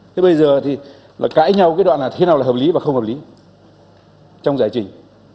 thế bây giờ thì là cãi nhau cái đoạn này thế nào là hợp lý và không hợp lý trong giải trình